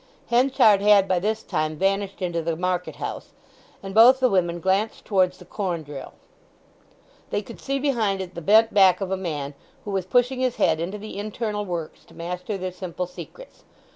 Henchard had by this time vanished into the market house, and both the women glanced towards the corn drill. They could see behind it the bent back of a man who was pushing his head into the internal works to master their simple secrets.